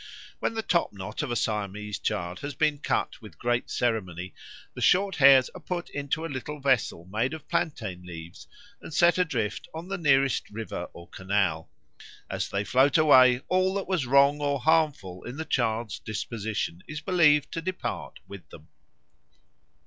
When the top knot of a Siamese child has been cut with great ceremony, the short hairs are put into a little vessel made of plantain leaves and set adrift on the nearest river or canal. As they float away, all that was wrong or harmful in the child's disposition is believed to depart with them.